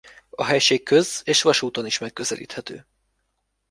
A helység köz-és vasúton is megközelíthető.